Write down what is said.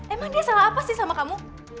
emang dia salah apa sih sama kamu